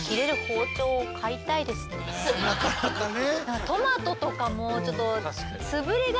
なかなかね。